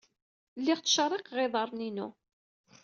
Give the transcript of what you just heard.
Lliɣ ttcerriqeɣ iḍarren-inu.